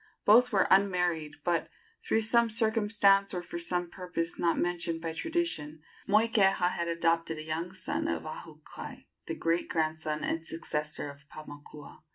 Both were unmarried, but, through some circumstance or for some purpose not mentioned by tradition, Moikeha had adopted a young son of Ahukai, the great grandson and successor of Paumakua.